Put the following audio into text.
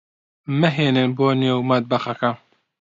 مەھێن بۆ نێو مەتبەخەکە.